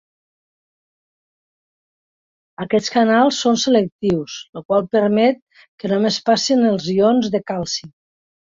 Aquests canals són selectius, ho qual permet que només passin els ions de calci.